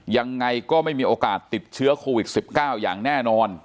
ยังไงก็ไม่มีโอกาสติดเชื้อโควิด๑๙อย่างแน่นอน